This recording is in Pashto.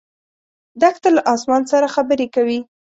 دښته له اسمان سره خبرې کوي.